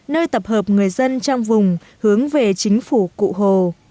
nơi tập hợp người dân trong vùng hướng về chính phủ cụ hồ